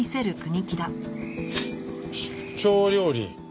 「出張料理」